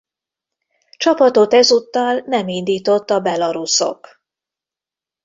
Csapatot ezúttal nem indított a belaruszok.